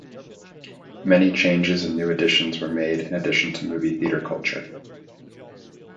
Many changes and new additions were made in addition to movie theatre culture.